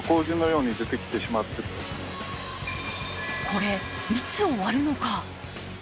これ、いつ終わるのか。